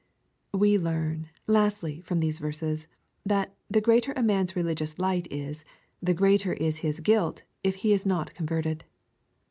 We learn, lastly, from these verses, that the greater a man's religious light is, the greater is his guilt if he is not converted.